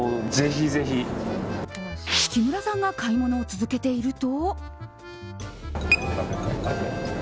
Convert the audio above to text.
木村さんが買い物を続けていると。